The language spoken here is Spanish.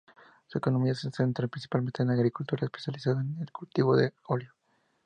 Su economía se centra principalmente en la agricultura, especializada en el cultivo del olivo.